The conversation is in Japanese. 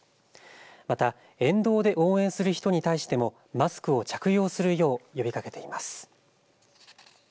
また沿道で応援する人に対してもマスクを着用するよう呼びかけています。